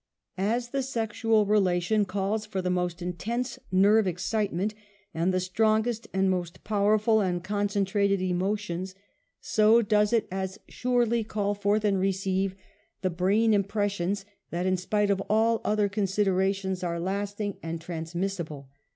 As the sexual relation calls for the most intense nerve excitement, and the strongest and most power ful and concentrated emotions, so does it as surely PURE MANHOOD. <3all forth and receive the brain impressions, that in spite of all other considerations, are lasting and transmissable.